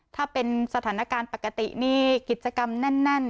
ถ้าเป็นสถานการณ์ปกตินี่กิจกรรมแน่น